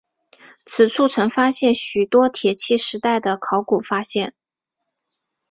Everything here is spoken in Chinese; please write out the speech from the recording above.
此处曾发现许多铁器时代的考古发现。